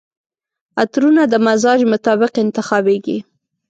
عطرونه د مزاج مطابق انتخابیږي.